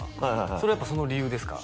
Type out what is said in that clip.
それやっぱその理由ですか？